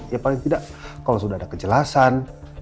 ya paling tidak kalau sudah ada kejelasan